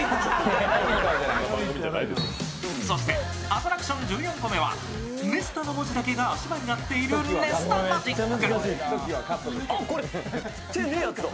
アトラクション１４個目はＮＥＳＴＡの文字だけが足場になっているネスタマジック。